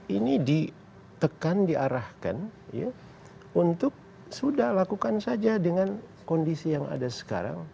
ini ditekan diarahkan untuk sudah lakukan saja dengan kondisi yang ada sekarang